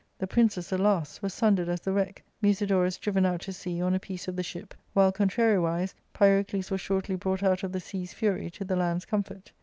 The princes, alas ! were sundered as the wreck, Musidorus driven out to sea on a piece of the ship, while, contrariwise, Pyrocles was shortly brought out of the sea's fury to the land's comfort.